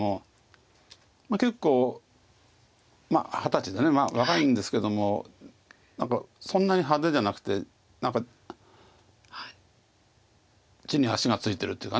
結構まあ二十歳で若いんですけども何かそんなに派手じゃなくて地に足が着いてるというか。